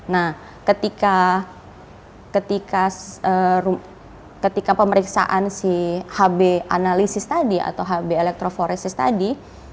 nah ketika pemeriksaan si hb analisis tadi atau hb elektroforesis tadi